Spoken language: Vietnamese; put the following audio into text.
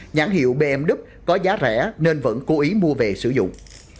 nhãn hiệu bmw có giá rẻ nên vẫn cố ý mua về sử dụng